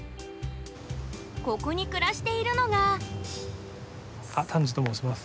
ここに暮らしているのが丹治と申します。